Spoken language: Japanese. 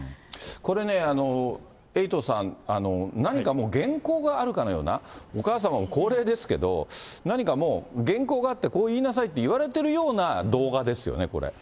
これね、エイトさん、何かもう原稿があるかのような、お母様も高齢ですけど、何かもう、原稿があって、こう言いなさいといわれるような動画ですよね、これ。